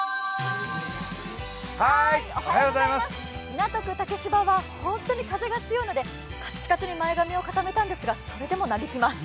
港区竹芝は本当に風が強いのでカチカチに前髪を固めたんですが、それでもなびきます。